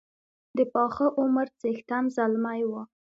د پاخه عمر څښتن زلمی وو.